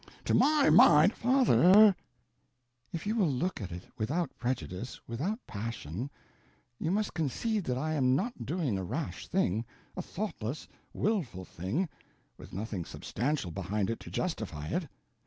To my mind—" "Father, if you will look at it without prejudice, without passion, you must concede that I am not doing a rash thing, a thoughtless, wilful thing, with nothing substantial behind it to justify it.